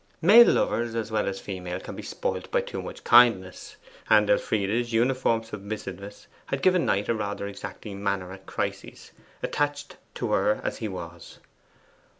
Male lovers as well as female can be spoilt by too much kindness, and Elfride's uniform submissiveness had given Knight a rather exacting manner at crises, attached to her as he was.